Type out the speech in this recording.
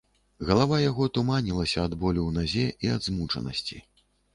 Галава яго туманілася ад болю ў назе і ад змучанасці.